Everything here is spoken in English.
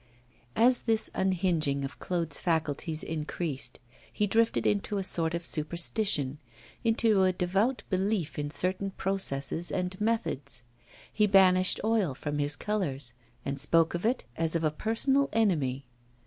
As this unhinging of Claude's faculties increased, he drifted into a sort of superstition, into a devout belief in certain processes and methods. He banished oil from his colours, and spoke of it as of a personal enemy.